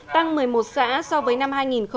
tăng một mươi một xã so với năm hai nghìn một mươi bảy